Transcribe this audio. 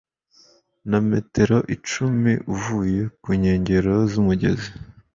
na metero icumi uvuye ku nkengero z'umugezi